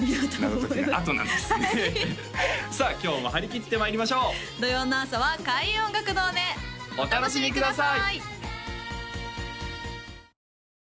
謎解きのあとなんですねさあ今日も張り切ってまいりましょう土曜の朝は開運音楽堂でお楽しみください